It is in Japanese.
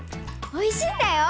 おいしいんだよ。